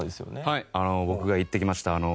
はい僕が行ってきました。